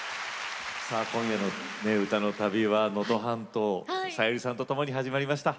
今夜の歌の旅は能登半島さゆりさんとともに始まりました。